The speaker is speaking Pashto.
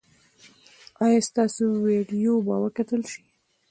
ایا ستاسو ویډیو به وکتل شي؟